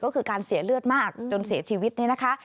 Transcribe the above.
ก็คือการเสียเลือดมากจนเสียชีวิตเนี่ยนะคะ